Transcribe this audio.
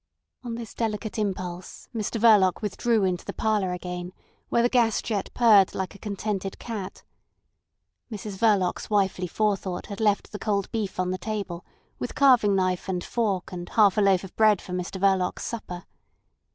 On this delicate impulse Mr Verloc withdrew into the parlour again, where the gas jet purred like a contented cat. Mrs Verloc's wifely forethought had left the cold beef on the table with carving knife and fork and half a loaf of bread for Mr Verloc's supper.